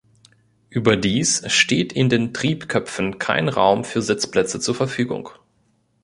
Überdies steht in den Triebköpfen kein Raum für Sitzplätze zur Verfügung.